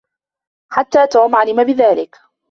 حتى توم علم بذلك.